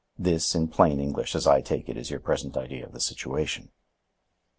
This, in plain English, as I take it, is your present idea of the situation."